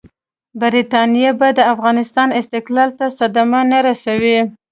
برټانیه به د افغانستان استقلال ته صدمه نه رسوي.